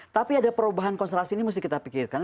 tapi ada perubahan konstelasi ini mesti kita pikirkan